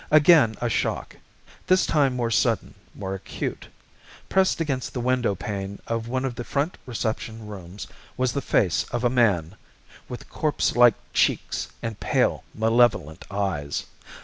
Again a shock this time more sudden, more acute. Pressed against the window pane of one of the front reception rooms was the face of a man with corpse like cheeks and pale, malevolent eyes.